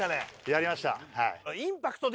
やりましたはい。